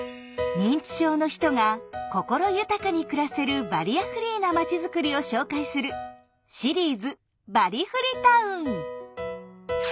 認知症の人が心豊かに暮らせるバリアフリーな町づくりを紹介するシリーズ「バリフリ・タウン」。